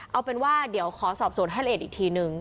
เอาเป็นว่าเดี๋ยวขอสอบสวนให้ละเอียดอีกทีนึง